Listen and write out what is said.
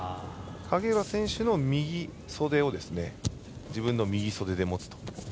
影浦選手の右袖を自分の右袖で持つと。